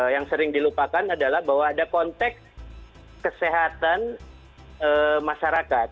yang sering dilupakan adalah bahwa ada konteks kesehatan masyarakat